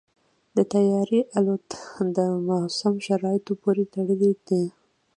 د طیارې الوت د موسم شرایطو پورې تړلې ده.